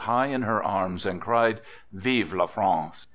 high in her arms and cried :" Vive la France